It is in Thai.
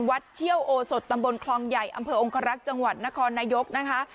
เชี่ยวโอสดตำบลคลองใหญ่อำเภอองครักษ์จังหวัดนครนายกนะคะ